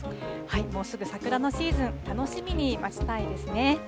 もうすぐ桜のシーズン、楽しみに待ちたいですね。